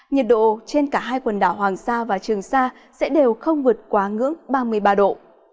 nhiệt độ trên cả hai quần đảo hoàng sa và trường sa sẽ đều không vượt quá ngưỡng ba mươi ba độ